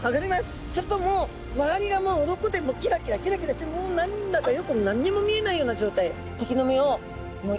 するともう周りが鱗でキラキラキラキラしてもう何だかよく何にも見えないような状態。